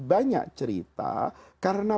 banyak cerita karena